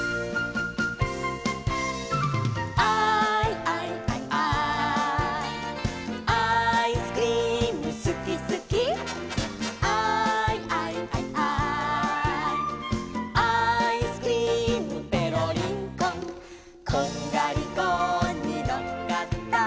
「アイアイアイアイ」「アイスクリームすきすき」「アイアイアイアイ」「アイスクリームペロリンコン」「こんがりコーンにのっかった」